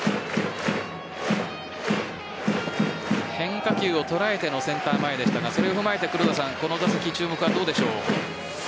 変化球を捉えてのセンター前でしたがそれを踏まえてこの打席、注目はどうでしょう？